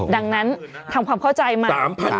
ดังนั้นทำความเข้าใจมา๓๐๐๐บาท